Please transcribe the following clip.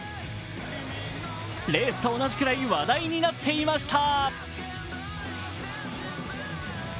レースと同じくらい話題になっていました。